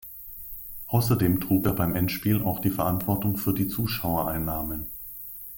Außerdem trug er beim Endspiel auch die Verantwortung für die Zuschauereinnahmen.